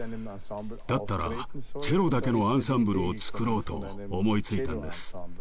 だったらチェロだけのアンサンブルを作ろうと思いついたんです。